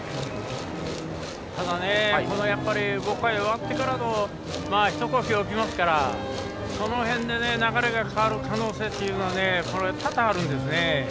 ただ、５回が終わってから一呼吸置きますからその辺で、流れが変わる可能性は多々あるんですね。